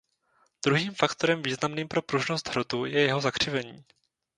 Druhým faktorem významným pro pružnost hrotu je jeho zakřivení.